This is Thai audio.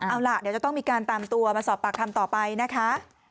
เอาล่ะเดี๋ยวจะต้องมีการตามตัวมาสอบปากคำต่อไปนะคะ